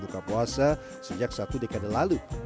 buka puasa sejak satu dekade lalu